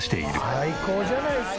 最高じゃないですか！